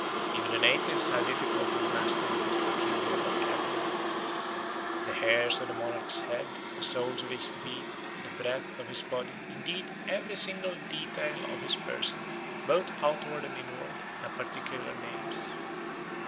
Even the natives have difficulty in mastering this peculiar vocabulary. The hairs of the monarch's head, the soles of his feet, the breath of his body, indeed every single detail of his person, both outward and inward, have particular names.